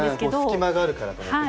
隙間があるからと思って。